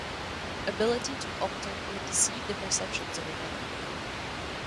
Ability to alter or deceive the perceptions of another.